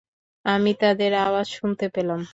আমি তাদের আওয়াজ শুনতে পেলাম।